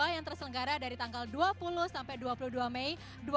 yang terselenggara dari tanggal dua puluh sampai dua puluh dua mei dua ribu dua puluh